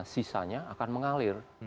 sisanya akan mengalir